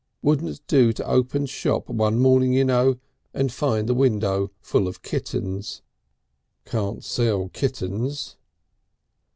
"Wouldn't do to open shop one morning, you know, and find the window full of kittens. Can't sell kittens...."